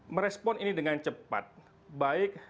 merespon ini dengan cepat baik